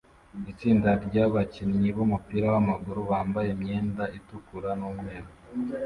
Itsinda ryabakinnyi bumupira wamaguru bambaye imyenda itukura numweru